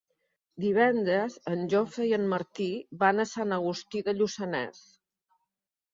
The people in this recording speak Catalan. Divendres en Jofre i en Martí van a Sant Agustí de Lluçanès.